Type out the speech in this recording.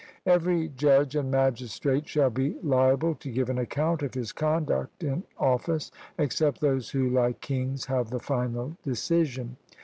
Every judge and magistrate shall be liable to give an account of his conduct in office, except those who, like kings, have the final decision.